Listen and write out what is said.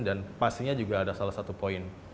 pastinya juga ada salah satu poin